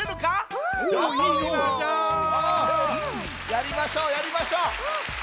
やりましょうやりましょう。